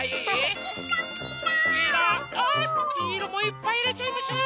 きいろもいっぱいいれちゃいましょう！